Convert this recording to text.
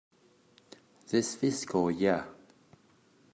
This fiscal year.